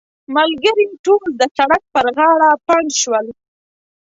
ملګري ټول د سړک پر غاړه پنډ شول.